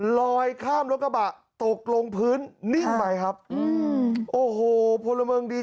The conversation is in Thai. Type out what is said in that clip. ลอยข้ามรถกระบะตกลงพื้นนิ่งไปครับอืมโอ้โหพลเมืองดี